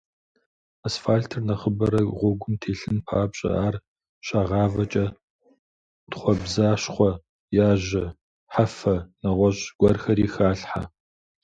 Асфальтыр нэхъыбэрэ гъуэгум телъын папщӏэ, ар щагъавэкӏэ тхъуэбзащхъуэ, яжьэ, хьэфэ, нэгъуэщӏ гуэрхэри халъхьэ.